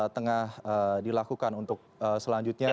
tengah dilakukan untuk selanjutnya